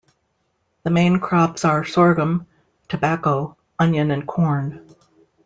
The main crops are sorghum, tobacco, onion and corn.